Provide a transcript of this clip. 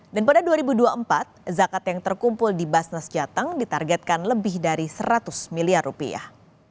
dan pada dua ribu dua puluh empat zakat yang terkumpul di basnas jateng ditargetkan lebih dari seratus miliar rupiah